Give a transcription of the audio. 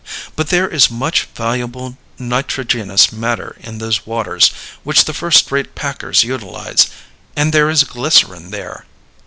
But there is much valuable nitrogenous matter in those waters which the first rate packers utilize. And there is glycerin there.